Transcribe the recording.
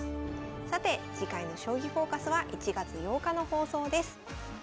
さて次回の「将棋フォーカス」は１月８日の放送です。